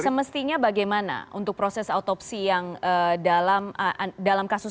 semestinya bagaimana untuk proses autopsi yang dalam kasus ini